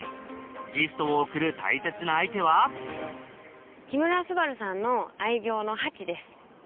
ギフトを贈る大切な相手は木村昴さんの愛猫のハチです。